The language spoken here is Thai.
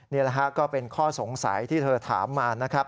นี่แหละฮะก็เป็นข้อสงสัยที่เธอถามมานะครับ